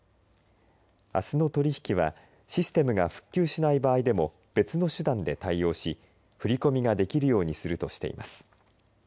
あすの取り引きはシステムが復旧しない場合でも別の手段で対応し、振り込みができるようにするとしています。